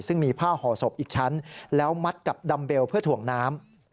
ซึ่งมีผ้าห่อศพอีกชั้นแล้วมัดกับดัมเบลเพื่อถ่วงน้ำ